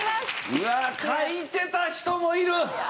うわっ書いてた人もいる。